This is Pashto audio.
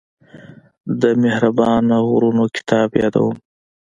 د مهربانه غرونه کتاب يادوم.